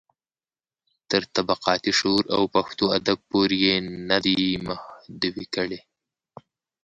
تر طبقاتي شعور او پښتو ادب پورې يې نه دي محدوې کړي.